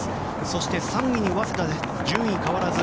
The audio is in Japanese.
そして、３位に早稲田順位変わらず。